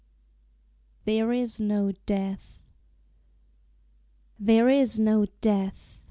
THERE IS NO DEATH. There is no death!